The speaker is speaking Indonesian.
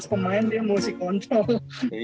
dua belas pemain dia masih kontrol